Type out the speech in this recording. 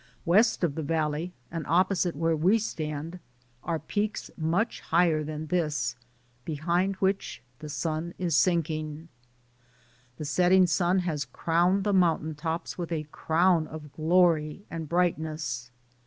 West of the valley, and opposite where we stand, are peaks much higher than this; be DAYS ON THE ROAD. 135 hind which the sun is sinking. The setting sun has crowned the mountain tops with a crown of glory and brightness.